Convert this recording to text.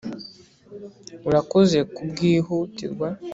Urakoze kubwihutirwa